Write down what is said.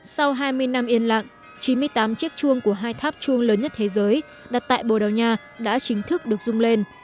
sau hai mươi năm yên lặng chín mươi tám chiếc chuông của hai tháp chuông lớn nhất thế giới đặt tại bồ đào nha đã chính thức được rung lên